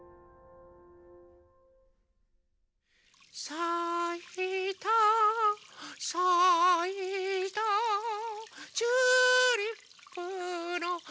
「さいたさいたチューリップのはなが」